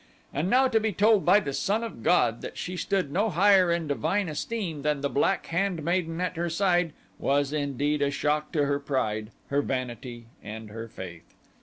And now to be told by the son of god that she stood no higher in divine esteem than the black handmaiden at her side was indeed a shock to her pride, her vanity, and her faith.